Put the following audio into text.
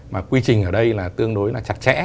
mà quy trình ở đây là tương đối là chặt chẽ